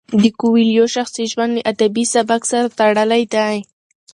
د کویلیو شخصي ژوند له ادبي سبک سره تړلی دی.